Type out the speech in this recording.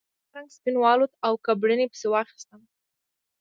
زما رنګ سپین والوت او ګبڼۍ پسې واخیستم.